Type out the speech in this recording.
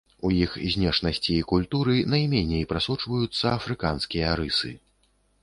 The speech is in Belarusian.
У іх знешнасці і культуры найменей прасочваюцца афрыканскія рысы.